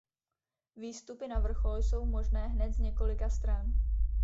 Výstupy na vrchol jsou možné hned z několika stran.